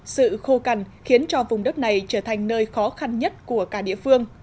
sự khô cằn khiến cho vùng đất này trở thành nơi khó khăn nhất của cả địa phương